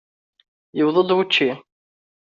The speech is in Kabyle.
Yewweḍ-d wučči.